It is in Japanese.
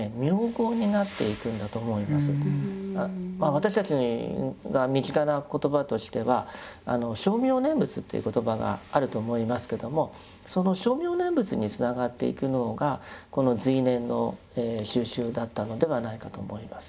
私たちが身近な言葉としては「称名念仏」という言葉があると思いますけどもその称名念仏につながっていくのがこの随念の修習だったのではないかと思います。